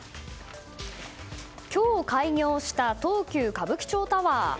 今日開業した東急歌舞伎町タワー。